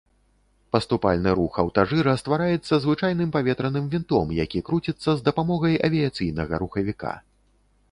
Паступальны рух аўтажыра ствараецца звычайным паветраным вінтом, які круціцца з дапамогай авіяцыйнага рухавіка.